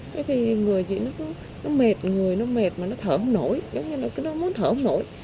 thế thì người chị nó mệt người nó mệt mà nó thở không nổi giống như là nó muốn thở không nổi